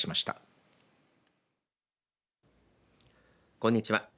こんにちは。